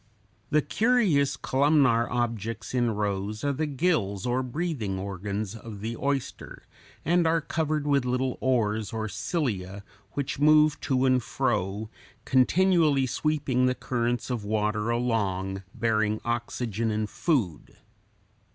The curious columnar objects in rows are the gills or breathing organs of the oyster, and are covered with little oars (Fig. 82), or cilia, which move to and fro, continually sweeping the currents of water along, bearing oxygen and food.